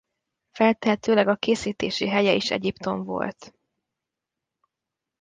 Feltehetőleg a készítési helye is Egyiptom volt.